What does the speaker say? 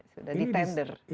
sudah di tender